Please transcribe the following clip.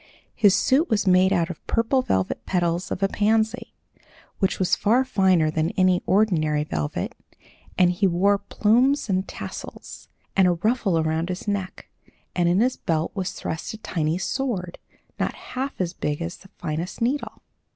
His suit was made out of the purple velvet petals of a pansy, which was far finer than any ordinary velvet, and he wore plumes and tassels, and a ruffle around his neck, and in his belt was thrust a tiny sword, not half as big as the finest needle.